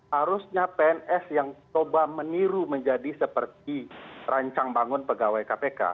harusnya pns yang coba meniru menjadi seperti rancang bangun pegawai kpk